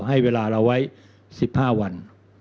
ให้เวลาเราไว้๑๕วัน